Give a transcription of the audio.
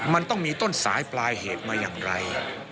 มันต้องมีต้นสายปลายเหตุมาอย่างไร